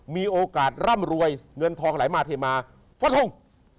มีโอกาสร่ำรวยเงินทองไหลมาเทมาฟันทง